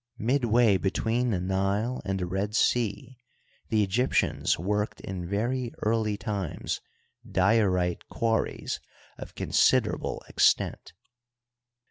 Midway between the Nile and the Red Sea the Egyptians worked in very early times diorite quarries of considerable extent.